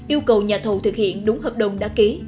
yêu cầu nhà thầu thực hiện đúng hợp đồng đã ký